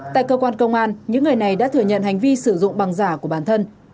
tại cơ quan công an những người này đã thừa nhận hành vi sử dụng bằng giả của bản thân